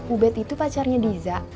ubed itu pacarnya diza